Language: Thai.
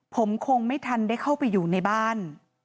ผมคงไม่ทันได้เข้าไปอยู่ในบ้าน